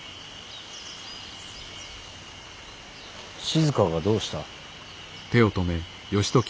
静がどうした。